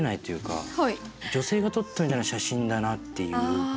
女性が撮ったみたいな写真だなっていう。